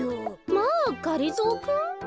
まあがりぞーくん？